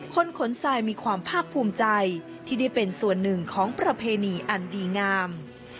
ขนทรายมีความภาคภูมิใจที่ได้เป็นส่วนหนึ่งของประเพณีอันดีงาม